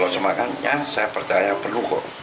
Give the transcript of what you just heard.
semangatnya saya percaya perlu kok